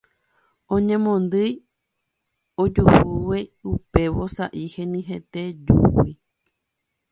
Oñemondýi ojuhúgui upe vosa'i henyhẽte júgui.